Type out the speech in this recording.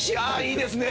いいですね